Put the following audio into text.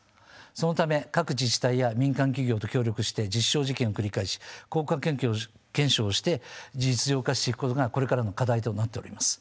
そのため各自治体や民間企業と協力して実証実験を繰り返し効果検証をして実用化していくことがこれからの課題となっております。